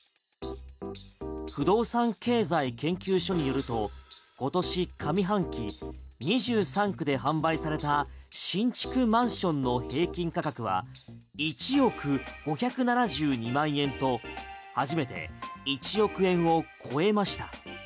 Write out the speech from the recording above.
不動産経済研究所によると今年上半期、２３区で販売された新築マンションの平均価格は１億５７２万円と初めて１億円を超えました。